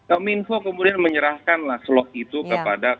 ominfo kemudian menyerahkan lah slot itu kepada